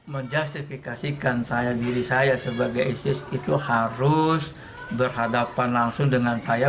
menjustifikasikan diri saya sebagai isis itu harus berhadapan langsung dengan saya